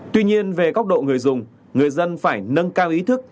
tuy nhiên về góc độ người dùng người dân phải nâng cao ý thức